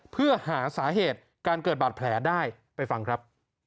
เพื่อหาสาเหตุการเกิดบาดแผลได้ไปฟังครับ